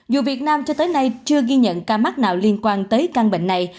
dù việt nam cho tới nay chưa ghi nhận ca mắc nào liên quan tới căn bệnh này